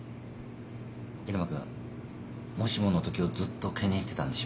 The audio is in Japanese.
入間君もしものときをずっと懸念してたんでしょ。